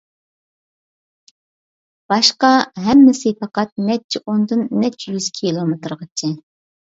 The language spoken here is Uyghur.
باشقا ھەممىسى پەقەت نەچچە ئوندىن نەچچە يۈز كىلومېتىرغىچە.